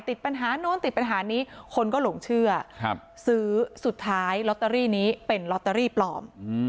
ติดปัญหาโน้นติดปัญหานี้คนก็หลงเชื่อซื้อสุดท้ายลอตเตอรี่นี้เป็นลอตเตอรี่ปลอม